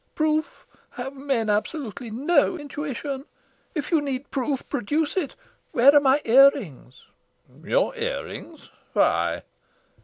"Proof? Have men absolutely NO intuition? If you need proof, produce it. Where are my ear rings?" "Your ear rings? Why?"